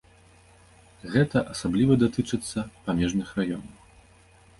Гэта асабліва датычыцца памежных раёнаў.